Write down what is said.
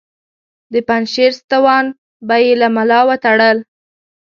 د پنجشیر ستوان به یې له ملا وتړل.